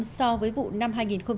so với vụ năm hai nghìn một mươi sáu